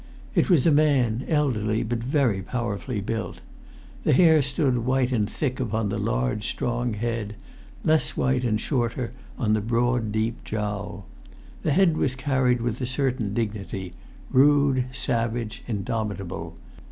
It was a man, elderly, but very powerfully built. The hair stood white and thick upon the large strong head, less white and shorter on the broad deep jowl. The head was carried with a certain dignity, rude, savage, indomitable.